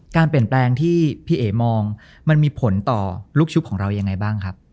การเปลี่ยนแปลงที่พี่เอ๋มองมันมีผลต่อลูกชุบของเรายังไงบ้างครับ